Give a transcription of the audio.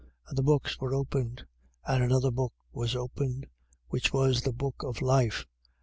And the books were opened: and another book was opened, which was the book of life.